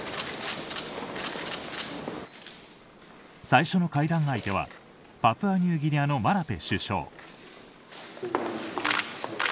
最初の会談相手はパプアニューギニアのマラぺ首相。